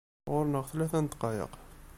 Ɣur-neɣ tlata n ddqayeq.